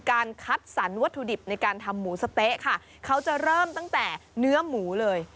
การคัดสรรวัตถุดิบในการทำหมูสะเต๊ะค่ะเขาจะเริ่มตั้งแต่เนื้อหมูเลย